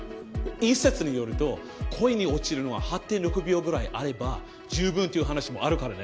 一説によると恋に落ちるのは８．６秒ぐらいあれば充分っていう話もあるからね。